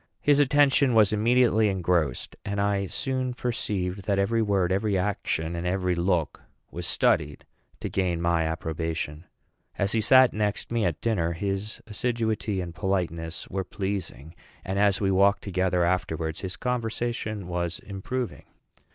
His attention was immediately engrossed; and I soon perceived that every word, every action, and every look was studied to gain my approbation. As he sat next me at dinner, his assiduity and politeness were pleasing; and as we walked together afterwards, his conversation was improving.